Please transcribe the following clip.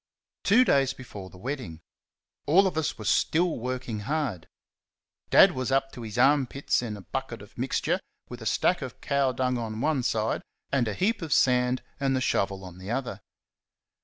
Two days before the wedding. All of us were still working hard. Dad was up to his armpits in a bucket of mixture, with a stack of cow dung on one side, and a heap of sand and the shovel on the other.